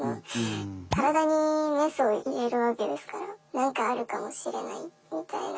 体にメスを入れるわけですから何かあるかもしれないみたいな。